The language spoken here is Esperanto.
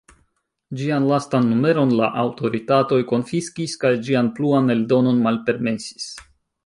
Ĝian lastan numeron la aŭtoritatoj konfiskis kaj ĝian pluan eldonon malpermesis.